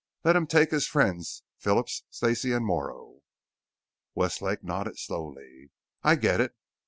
Let him take his friends, Phillips, Stacey, and Morrow." Westlake nodded slowly. "I get it.